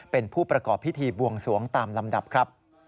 เป็นผู้ประกอบพิธีบวงสวงตามลำดับครับ